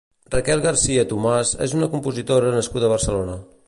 Raquel García-Tomás és una compositora nascuda a Barcelona.